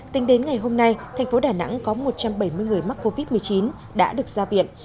tính đến ngày hôm nay thành phố đà nẵng có một trăm bảy mươi người mắc covid một mươi chín